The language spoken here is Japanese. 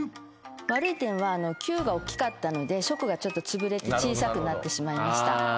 悪い点は「給」が大きかったので「食」がつぶれて小さくなってしまいました。